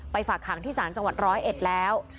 ฝากขังที่ศาลจังหวัดร้อยเอ็ดแล้ว